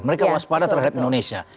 mereka waspada terhadap indonesia